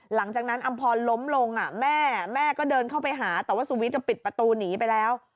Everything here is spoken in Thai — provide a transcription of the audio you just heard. หลังจากนั้นอำพรล้มลงแม่แม่ก็เดินเข้าไปหาแต่ว่าสุวิทย์ปิดประตูหนีไปแล้ว